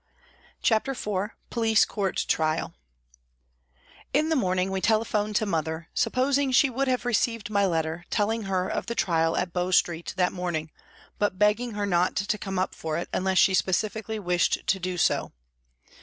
CHAPTER IV POLICE COURT TRIAL IN the morning we telephoned to mother, suppos ing she would have received my letter, telling her of the trial at Bow Street that morning, but begging her not to come up for it unless she specially wished to do so.